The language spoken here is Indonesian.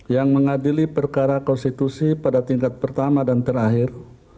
yang mengadili perkara konstitusi pada tingkat pertama dan terakhir